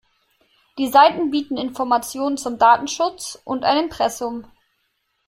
Die Seiten bieten Informationen zum Datenschutz und ein Impressum.